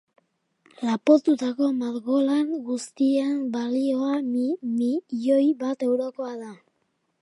Lapurtutako margolan guztien balioa milioi bat eurokoa da.